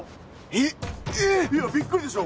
⁉えっ⁉いやびっくりでしょ